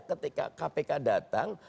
ketika kpk datang